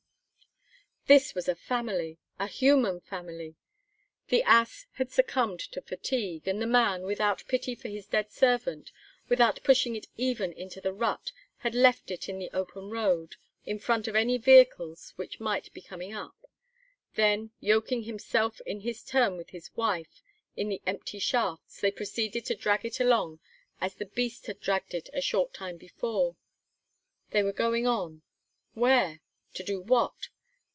This was a family, a human family! The ass had succumbed to fatigue, and the man, without pity for his dead servant, without pushing it even into the rut, had left it in the open road, in front of any vehicles which might be coming up. Then, yoking himself in his turn with his wife in the empty shafts, they proceeded to drag it along as the beast had dragged it a short time before. They were going on. Where? To do what?